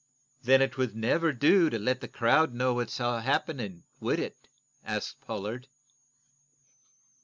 "Then it would never do to let the crowd know all that's happening, would it?" asked Pollard.